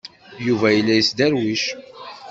Yuba yella yesderwic.